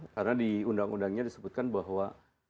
karena di undang undangnya disebutkan bahwa